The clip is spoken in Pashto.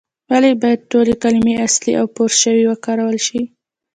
ولې باید ټولې کلمې اصلي او پورشوي وکارول شي؟